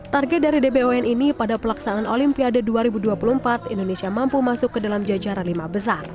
target dari dbon ini pada pelaksanaan olimpiade dua ribu dua puluh empat indonesia mampu masuk ke dalam jajaran lima besar